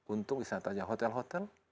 untuk misalnya hotel hotel